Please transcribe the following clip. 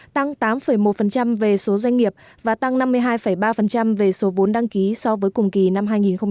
tăng tám một về số doanh nghiệp và tăng năm mươi hai ba về số vốn đăng ký so với cùng kỳ năm hai nghìn một mươi chín